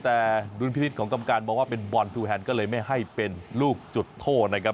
แต่ดุลพินิษฐ์ของกรรมการมองว่าเป็นบอลทูแฮนด์ก็เลยไม่ให้เป็นลูกจุดโทษนะครับ